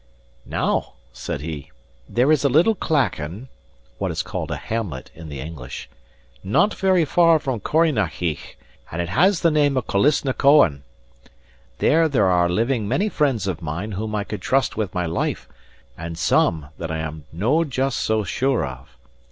"Now," said he, "there is a little clachan" (what is called a hamlet in the English) "not very far from Corrynakiegh, and it has the name of Koalisnacoan. There there are living many friends of mine whom I could trust with my life, and some that I am no just so sure of.